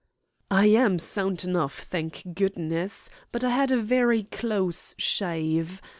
"I am sound enough, thank goodness, but I had a very close shave.